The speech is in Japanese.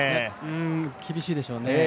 厳しいでしょうね